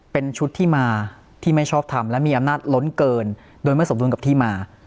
เป็นชุดที่มาที่ไม่ชอบทำและมีอำนาจล้นเกินโดยไม่สมดุลกับที่มา